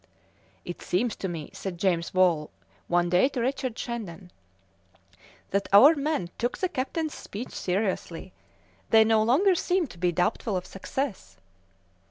"It seems to me," said James Wall one day to Richard Shandon, "that our men took the captain's speech seriously; they no longer seem to be doubtful of success."